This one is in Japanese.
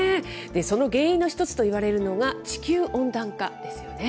その原因の一つといわれるのが、地球温暖化ですよね。